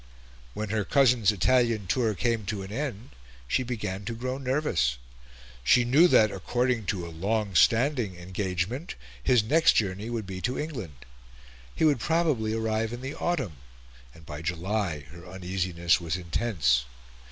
When her cousin's Italian tour came to an end, she began to grow nervous; she knew that, according to a long standing engagement, his next journey would be to England. He would probably arrive in the autumn, and by July her uneasiness was intense.